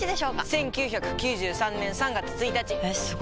１９９３年３月１日！えすご！